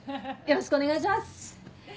よろしくお願いします。